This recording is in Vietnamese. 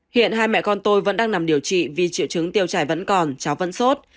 hiện hai mẹ con tôi vẫn đang nằm điều trị vì triệu chứng tiêu chảy vẫn còn cháu vẫn sốt